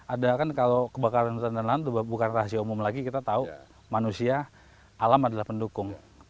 ada akan kalau kebakaran dan lanjut buka rahasia umum lagi kita tahu manusia alam adalah pendukung